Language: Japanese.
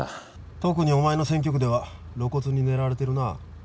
特にお前の選挙区では露骨に狙われてるな。